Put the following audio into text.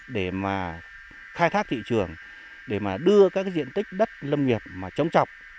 để mà khai thác thị trường để mà đưa các diện tích đất lâm nghiệp mà trống trọc